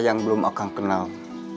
yang belum akang kenal